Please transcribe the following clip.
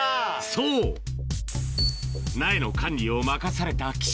そう苗の管理を任された岸